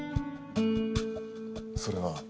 それは。